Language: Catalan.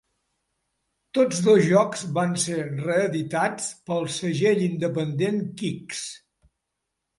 Tots dos jocs van ser reeditats pel segell independent Kixx.